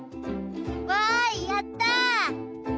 「わいやった」。